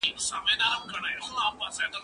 زه به سبا د کتابتون پاکوالی وکړم،